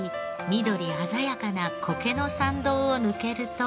緑鮮やかな苔の参道を抜けると。